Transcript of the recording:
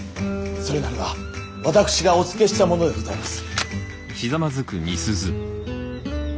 それなるは私がお付けした者でございます。